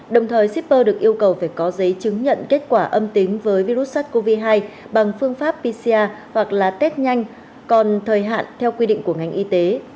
đồng thời shipper được yêu cầu phải có giấy chứng nhận kết quả âm tính với virus sars cov hai bằng phương pháp pcr hoặc là test nhanh còn thời hạn theo quy định của ngành y tế